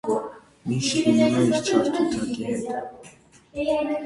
Միշտ լինում է իր չար թութակի հետ։